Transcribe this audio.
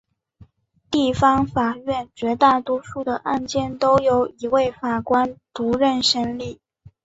地方法院绝大多数的案件都由一位法官独任审理。